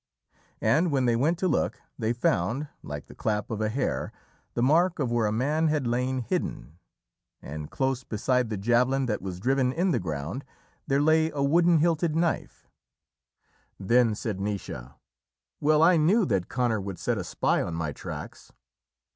And when they went to look they found, like the clap of a hare, the mark of where a man had lain hidden, and close beside the javelin that was driven in the ground there lay a wooden hilted knife. Then said Naoise: "Well I knew that Conor would set a spy on my tracks.